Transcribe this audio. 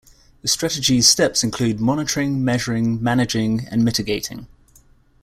The strategy's steps include monitoring, measuring, managing, and mitigating.